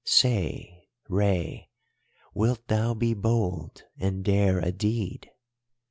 Say, Rei! Wilt thou be bold and dare a deed?